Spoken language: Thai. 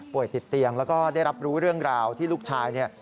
ติดเตียงแล้วก็ได้รับรู้เรื่องราวที่ลูกชายเนี่ย